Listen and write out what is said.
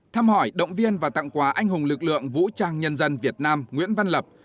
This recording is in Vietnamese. thăm hỏi động viên và tặng quà anh hùng lực lượng vũ trang nhân dân việt nam nguyễn văn lập